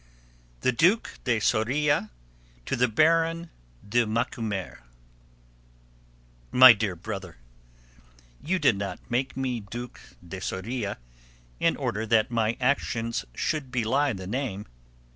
XIV. THE DUC DE SORIA TO THE BARON DE MACUMER MADRID. MY DEAR BROTHER, You did not make me Duc de Soria in order that my actions should belie the name.